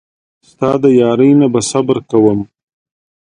ستا د یارۍ نه به صبر کوم.